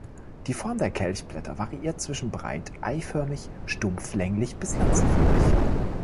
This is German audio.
Die Form der Kelchblätter variiert zwischen breit eiförmig, stumpf, länglich bis lanzenförmig.